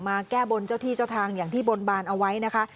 แก้บนเจ้าที่เจ้าทางอย่างที่บนบานเอาไว้นะคะ